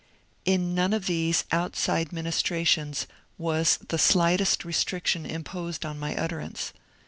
In none of these outside ministrations was the slightest restriction imposed on my utterance.